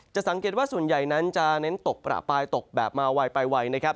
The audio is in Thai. สังเกตว่าส่วนใหญ่นั้นจะเน้นตกประปายตกแบบมาไวไปไวนะครับ